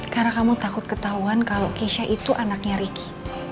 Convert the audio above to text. karena kamu takut ketahuan kalau kesha itu anaknya ricky